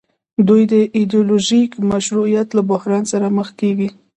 دوی د ایډیولوژیک مشروعیت له بحران سره مخ کیږي.